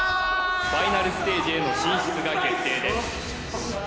ファイナルステージへの進出が決定です